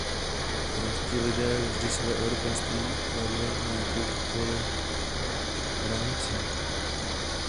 Romští lidé vždy své evropanství kladli nad jakoukoli hranici.